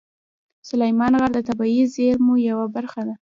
سلیمان غر د طبیعي زیرمو یوه برخه ده.